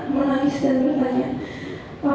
apa yang sudah saya lakukan sehingga sekarang